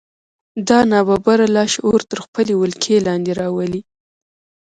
دا ناببره لاشعور تر خپلې ولکې لاندې راولي